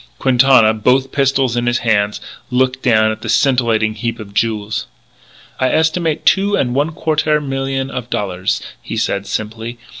Quintana, both pistols in his hands, looked down at the scintillating heap of jewels. "I estimate two and one quartaire million of dollaires," he said simply.